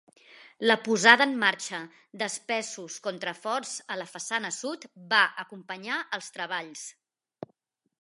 La posada en marxa d'espessos contraforts a la façana sud va acompanyar els treballs.